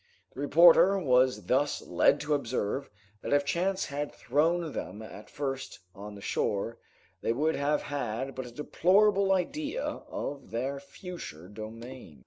The reporter was thus led to observe that if chance had thrown them at first on the shore, they would have had but a deplorable idea of their future domain.